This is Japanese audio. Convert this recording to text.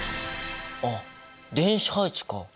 あっ電子配置か！